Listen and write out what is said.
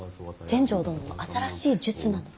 全成殿の新しい術なの。